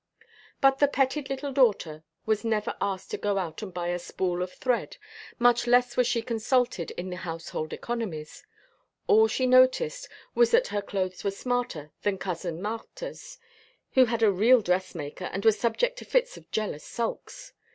But the petted little daughter was never asked to go out and buy a spool of thread, much less was she consulted in the household economies. All she noticed was that her clothes were smarter than Cousin Marthe's, who had a real dressmaker, and was subject to fits of jealous sulks.